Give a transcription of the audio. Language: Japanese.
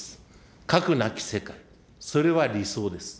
核なき世界、それは理想です。